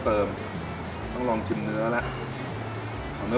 เริ่มกับอันนี้กัน